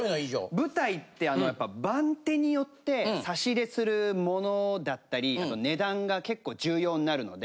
舞台ってやっぱ番手によって差し入れするものだったりあと値段が結構重要になるので。